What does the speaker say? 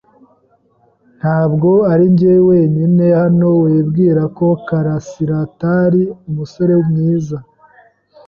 Ntabwo arinjye wenyine hano wibwira ko Karasiraatari umusore mwiza.